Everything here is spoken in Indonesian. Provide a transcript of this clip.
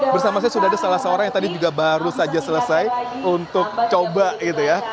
bersama saya sudah ada salah seorang yang tadi juga baru saja selesai untuk coba gitu ya